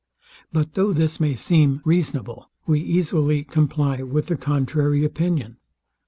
But though this may seem reasonable, we easily comply with the contrary opinion.